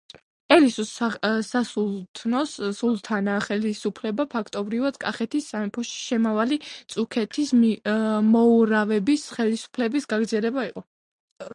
ელისუს სასულთნოს, სულთანთა ხელისუფლება ფაქტობრივად კახეთის სამეფოში შემავალი წუქეთის მოურავების ხელისუფლების გაგრძელება იყო.